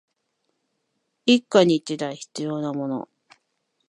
一家に一台必要なもの